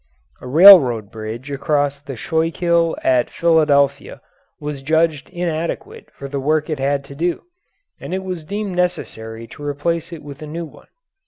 A railroad bridge across the Schuylkill at Philadelphia was judged inadequate for the work it had to do, and it was deemed necessary to replace it with a new one.